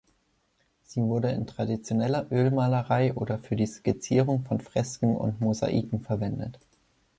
Sie wurde in traditioneller Ölmalerei oder für die Skizzierung von Fresken und Mosaiken verwendet.